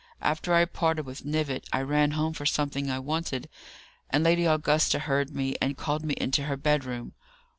After I parted with Knivett, I ran home for something I wanted, and Lady Augusta heard me and called me into her bedroom.